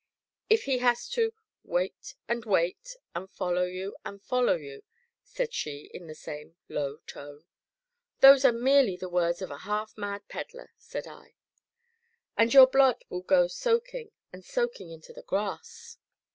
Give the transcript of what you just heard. "If he has to 'wait and wait, and follow you and follow you'?" said she, in the same low tone. "Those are merely the words of a half mad pedler," said I. "'And your blood will go soaking, and soaking into the grass'!"